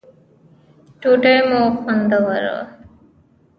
ډوډی مو خوندوره وه